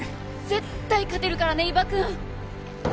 絶対勝てるからね伊庭くん！